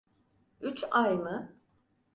Üç ay mı?